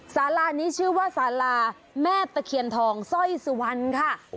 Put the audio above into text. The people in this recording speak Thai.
สารานี้ชื่อว่าสาลาแม่ตะเคียนทองสร้อยสุวรรณค่ะ